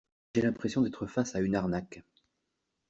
J’ai l’impression d’être face à une arnaque.